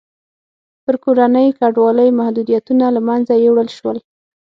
پر کورنۍ کډوالۍ محدودیتونه له منځه یووړل شول.